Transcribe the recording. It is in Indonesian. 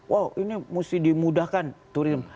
wow ini mesti dimudahkan turine